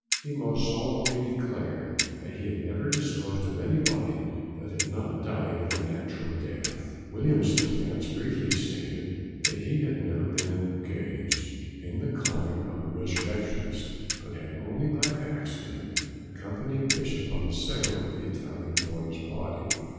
He most solemnly declared that he had never disposed of any body that had not died a natural death. Williams' defence briefly stated that he had never been engaged in the calling of a resurrectionist, but had only by accident accompanied Bishop on the sale of the Italian boy's body.